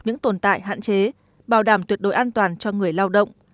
những tồn tại hạn chế bảo đảm tuyệt đối an toàn cho người lao động